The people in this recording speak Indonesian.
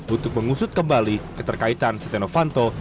untuk mengusut kembali keterkaitan setia novanto